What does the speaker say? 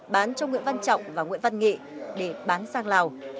bán cho nguyễn văn trọng và nguyễn văn nghệ để bán sang lào